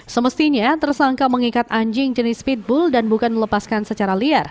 semestinya tersangka mengikat anjing jenis pitbull dan bukan melepaskan secara liar